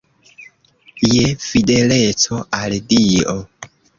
Je fideleco al Dio.